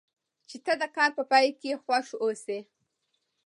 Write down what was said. چې ته د کار په پای کې خوښ اوسې.